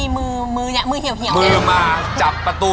อยู่พิแจนี่